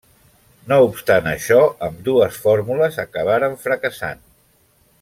No obstant això, ambdues fórmules acabaran fracassant.